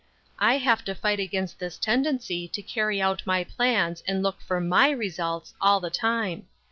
I have to fight against this tendency to carry out my plans and look for my results all the time.